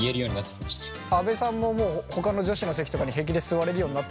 阿部さんももうほかの女子の席とかに平気で座れるようになった？